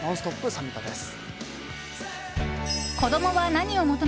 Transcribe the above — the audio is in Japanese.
サミットです。